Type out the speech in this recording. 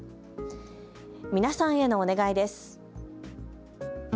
皆さんへのお願いです。